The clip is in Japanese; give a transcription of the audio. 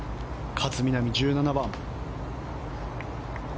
勝みなみ、１７番。